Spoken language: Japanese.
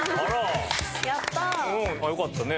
よかったね。